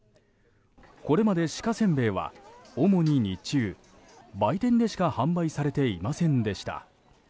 これまで鹿せんべいは主に日中売店でしか販売されていませんでした。